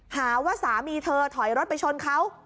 หาว่าสามีเธอถอยรถไปชนเขา